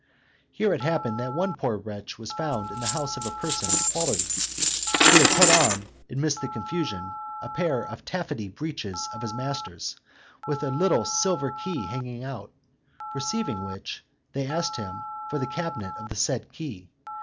Here it happened that one poor wretch was found in the house of a person of quality, who had put on, amidst the confusion, a pair of taffety breeches of his master's, with a little silver key hanging out; perceiving which, they asked him for the cabinet of the said key.